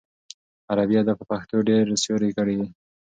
عربي ادب په پښتو ډېر سیوری کړی دی.